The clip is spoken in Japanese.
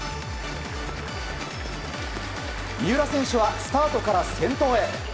三浦選手はスタートから先頭へ。